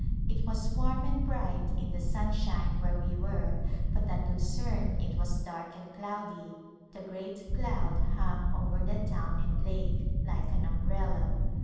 It was warm and bright in the sun shine where we were but at Lucerne it was dark and cloudy ; the great cloud hung over the town and lake like an umbrella.